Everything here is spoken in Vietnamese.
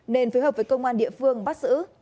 nên phối hợp với công an địa phương bắt giữ